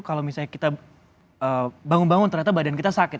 kalau misalnya kita bangun bangun ternyata badan kita sakit